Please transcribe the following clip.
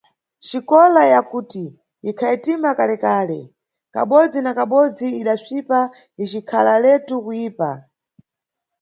Xikola ya kuti ikhayetima kalekale, kabodzi na kabodzi idasvipa icikhala letu kuyipa.